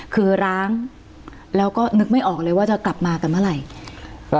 คือร้างแล้วก็นึกไม่ออกเลยว่าจะกลับมากันเมื่อไหร่